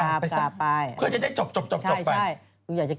คุณแม่นำเสื้อสีชมพูไหม